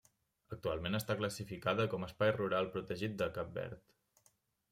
Actualment està classificada com a espai rural protegit de Cap Verd.